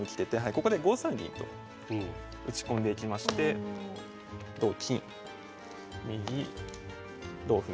ここで５三銀と打ち込んでいきまして同金右同歩